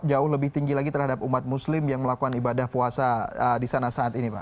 jauh lebih tinggi lagi terhadap umat muslim yang melakukan ibadah puasa di sana saat ini pak